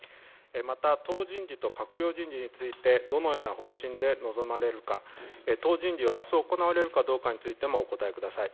また、党人事と閣僚人事について、どのような方針で臨まれるか、党人事はあす行われるかどうかについてもお答えください。